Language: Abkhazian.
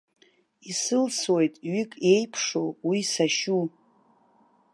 Исылсуеит, ҩык еиԥш уи сашьу.